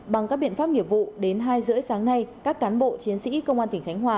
bằng các biện pháp nghiệp vụ đến hai rưỡi sáng nay các cán bộ chiến sĩ công an tỉnh khánh hòa